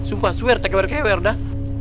sumpah swear take care kewer dah